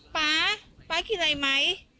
ป๊าป๊าคิดอะไรไหม